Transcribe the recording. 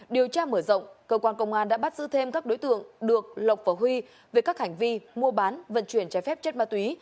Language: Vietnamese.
điều tra mở rộng cơ quan công an đã bắt giữ thêm các đối tượng được lộc và huy về các hành vi mua bán vận chuyển trái phép chất ma túy